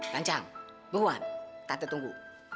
ganjang beruan tante tunggu